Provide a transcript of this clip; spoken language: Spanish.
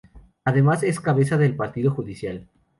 Además es cabeza del Partido judicial.